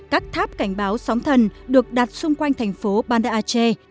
các tháp cảnh báo sóng thần được đặt xung quanh thành phố banda aceh